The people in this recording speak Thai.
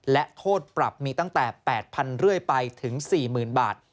และโทษปรับมีตั้งแต่๘๐๐เรื่อยไปถึง๔๐๐๐บาท